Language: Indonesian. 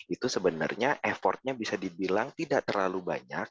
itu sebenarnya effortnya bisa dibilang tidak terlalu banyak